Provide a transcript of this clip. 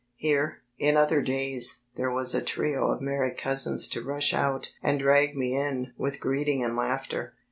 Here, in odter days, there was a trio of merry cousins to rush out and drag me in with greeting and laughter.